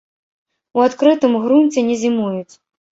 У адкрытым грунце не зімуюць.